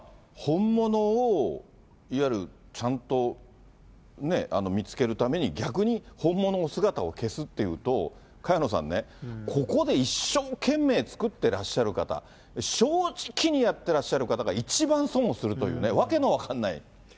本物をいわゆるちゃんと見つけるために、逆に、本物の姿を消すっていうと、萱野さんね、ここで一生懸命作ってらっしゃる方、正直にやってらっしゃる方が一番損をするというね、訳の分かんない。